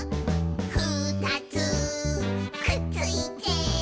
「ふたつくっついて」